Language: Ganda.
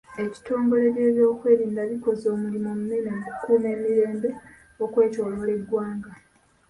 Ekitongole by'ebyokwerinda bikoze omulimu munene mu kukuuma emirembe okwetooloola eggwanga.